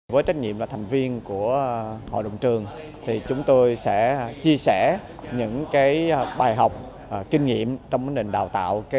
với trách nhiệm là thành viên của hội đồng trường chúng tôi sẽ chia sẻ những bài học kinh nghiệm trong vấn đề đào tạo